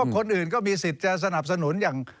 คนอื่นก็มีสิทธิ์จะสนับสนุนอย่าง